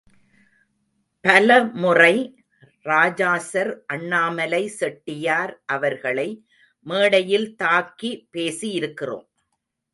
பலமுறை ராஜாசர் அண்ணாமலை செட்டியார் அவர்களை மேடையில் தாக்கி பேசி இருக்கிறோம்.